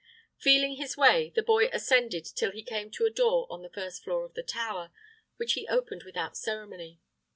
Feeling his way, the boy ascended till he came to a door on the first floor of the tower, which he opened without ceremony.